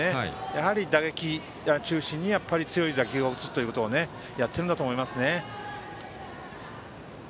やはり打撃を中心に強い打球を打つということをやっているんだと思いますね。